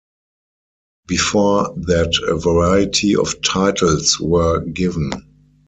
Before that, a variety of titles were given.